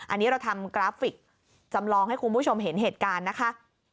อันนี้เราทำกราฟิกจำลองให้คุณผู้ชมเห็นเหตุการณ์นะคะ